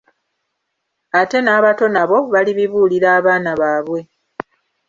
Ate n'abato nabo balibibuulira abana baabwe.